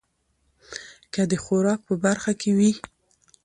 که د خوراک په برخه کې وي